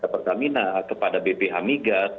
pertamina kepada bp hamigas